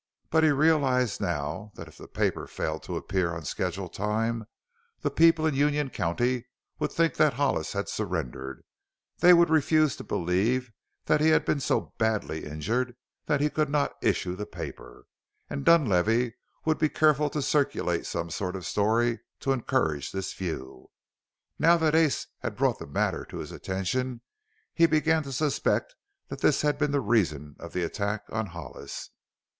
But he realized now that if the paper failed to appear on scheduled time the people in Union County would think that Hollis had surrendered; they would refuse to believe that he had been so badly injured that he could not issue the paper, and Dunlavey would be careful to circulate some sort of a story to encourage this view. Now that Ace had brought the matter to his attention he began to suspect that this had been the reason of the attack on Hollis.